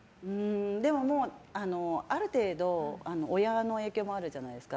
でも、もうある程度親の影響もあるじゃないですか。